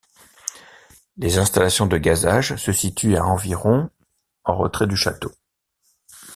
Les installations de gazage se situent à environ en retrait du château.